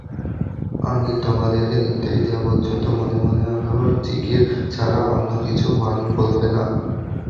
আমি তোমাদেরকে নির্দেশ দেয়া পর্যন্ত মনে মনে আল্লাহর যিকির ছাড়া অন্য কিছু বলবে না।